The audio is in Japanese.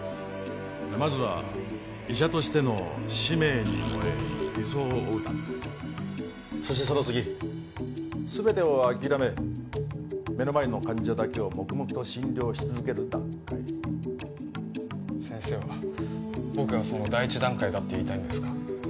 まずは医者としての使命に燃え理想を追う段階そしてその次すべてをあきらめ目の前の患者だけを黙々と診療し続ける段階先生は僕がその第一段階だと言いたいんですか？